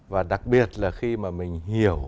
và đặc biệt là khi mà mình hiểu